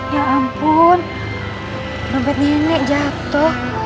ya ampun hampir nenek jatuh